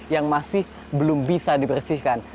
yang masih belum bisa dibersihkan